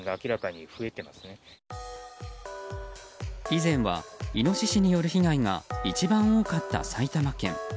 以前はイノシシによる被害が一番多かった埼玉県。